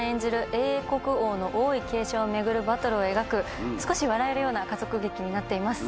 英国王の王位継承を巡るバトルを描く少し笑えるような家族劇になっています。